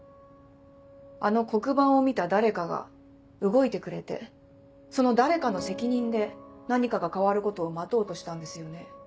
あの黒板を見た誰かが動いてくれてその誰かの責任で何かが変わることを待とうとしたんですよね？